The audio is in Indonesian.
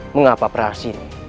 mengapa prahasis ini